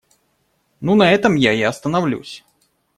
Ну, на этом я и остановлюсь.